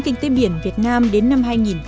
kinh tế biển việt nam đến năm hai nghìn ba mươi